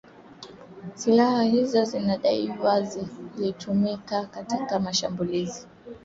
Silaha hizo zinadaiwa zilitumika katika mashambulizi kwenye vijiji